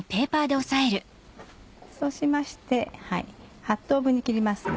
そうしまして８等分に切りますね。